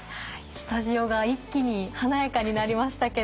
スタジオが一気に華やかになりましたけど。